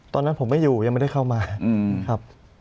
ตอนนั้นผมไม่อยู่ยังไม่ได้เข้ามาครับ